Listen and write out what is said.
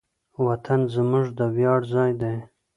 وطن زموږ د ویاړ ځای دی.